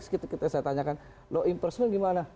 sekitik sekitik saya tanyakan low impressment gimana